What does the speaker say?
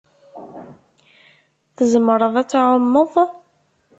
Tzemreḍ ad tɛumeḍ?